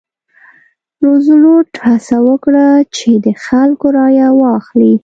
روزولټ هڅه وکړه چې د خلکو رایه واخلي.